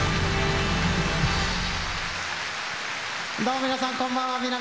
どうも皆さんこんばんは南